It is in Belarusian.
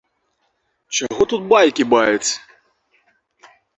Чаго тут байкі баяць!